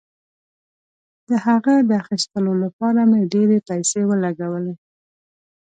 د هغه د اخیستلو لپاره مې ډیرې پیسې ولګولې.